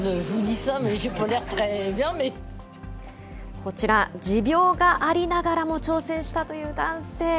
こちら、持病がありながらも挑戦したという男性。